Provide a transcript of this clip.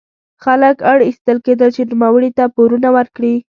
خلک اړ ایستل کېدل چې نوموړي ته پورونه ورکړي.